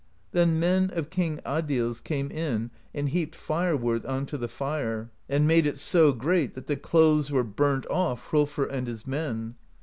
Then men of King Adils came in and heaped fire wood onto the fire, and made it so great that the clothes were burnt off^ Hrolfr and his men.